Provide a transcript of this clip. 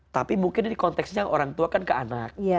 tapi mungkin ini konteksnya orang tua kan ke anak